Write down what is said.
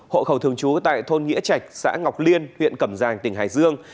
hộ khẩu thường chú tại thôn nghĩa trạch xã ngọc liên huyện cầm giàng tỉnh hải dương